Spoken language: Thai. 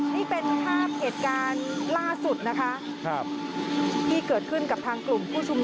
ไม่เป็นภาพเหตุการณ์ล่าสุดนะครับครับที่เกิดขึ้นกับทางกลุ่มผู้ชมนุมนะค่ะ